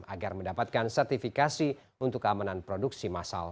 agar mendapatkan sertifikasi untuk keamanan produksi massal